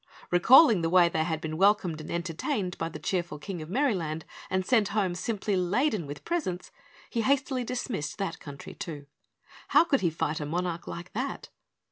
Recalling the way they had been welcomed and entertained by the cheerful King of Merryland and sent home simply laden with presents, he hastily dismissed that country too. How could he fight a monarch like that?